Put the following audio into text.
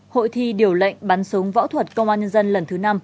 hội thi điều lệnh bắn súng võ thuật công an nhân dân lần thứ năm